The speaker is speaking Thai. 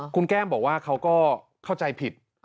คุณแก้มบอกว่าเขาก็เข้าใจผิด